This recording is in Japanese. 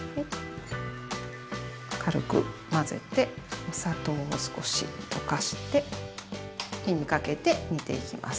軽く混ぜてお砂糖を少し溶かして火にかけて煮ていきます。